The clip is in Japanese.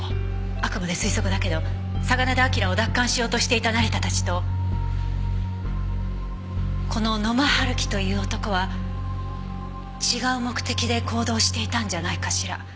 あくまで推測だけど嵯峨根田輝を奪還しようとしていた成田たちとこの野間春樹という男は違う目的で行動していたんじゃないかしら。